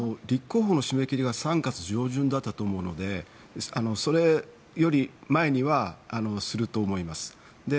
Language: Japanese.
立候補の締め切りが３月上旬だったと思うのでそれより前にはすると思います。